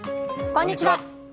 こんにちは。